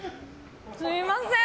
すみません。